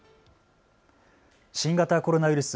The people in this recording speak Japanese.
新型コロナウイルス。